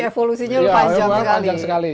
evolusinya panjang sekali